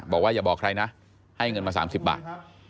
อย่าบอกใครนะให้เงินมา๓๐บาท